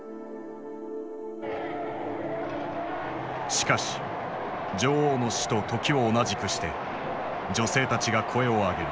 しかし女王の死と時を同じくして女性たちが声を上げる。